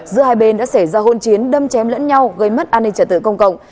giữa hai bên đã xảy ra hôn chiến đâm chém lẫn nhau gây mất an ninh trả tự công cộng